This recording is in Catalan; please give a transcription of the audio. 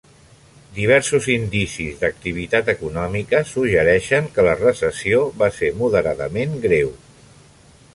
Diversos indicis d'activitat econòmica suggereixen que la recessió va ser moderadament greu.